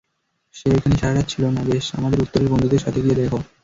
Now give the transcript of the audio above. সে ঐখানে সারারাত ছিলোনা বেশ, আমাদের উত্তরের বন্ধুদের সাথে গিয়ে দেখো।